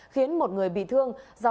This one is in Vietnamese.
khiến một người bị thương